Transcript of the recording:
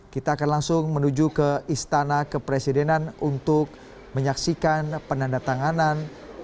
kita akan langsung menuju ke istana kepresidenan untuk menyaksikan penandatanganan